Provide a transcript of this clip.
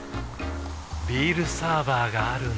ビールサーバーがある夏。